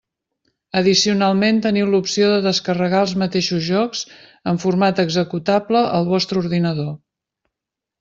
Addicionalment teniu l'opció de descarregar els mateixos jocs en format executable al vostre ordinador.